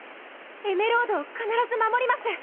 エメロードを必ず守ります。